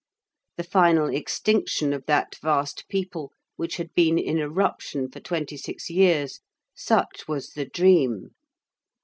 The final extinction of that vast people which had been in eruption for twenty six years—such was the dream.